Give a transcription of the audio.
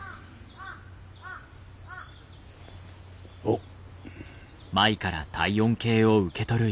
おっ。